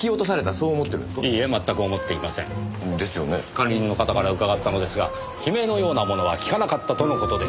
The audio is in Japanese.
管理人の方から伺ったのですが悲鳴のようなものは聞かなかったとの事でした。